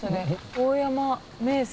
「大山名水」。